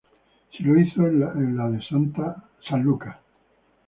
Sí lo hizo en la de San Lucas.